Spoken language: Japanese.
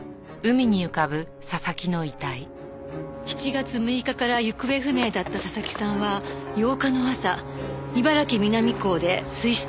７月６日から行方不明だった佐々木さんは８日の朝茨城南港で水死体で発見された。